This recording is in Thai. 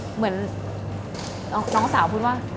เหมือนน้องสาวพูดว่า